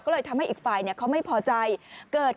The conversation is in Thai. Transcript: ก็เลยทำให้อีกฝ่ายเนี่ยเขาไม่พอใจ